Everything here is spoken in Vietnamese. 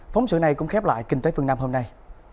phóng sự này cũng khép lại kinh tế phương nam hôm nay